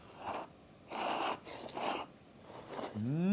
うん。